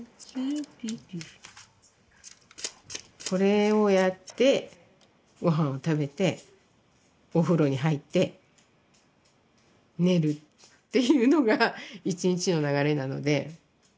これをやってごはんを食べてお風呂に入って寝るっていうのが一日の流れなので。